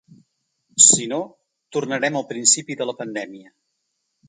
Si no, tornarem al principi de la pandèmia.